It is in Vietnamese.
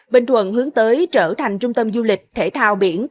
bình thuận hướng tới trở thành trung tâm du lịch thể thao biển